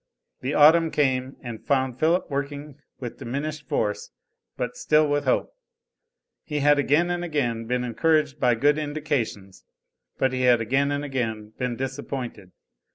The Autumn came and found Philip working with diminished force but still with hope. He had again and again been encouraged by good "indications," but he had again and again been disappointed.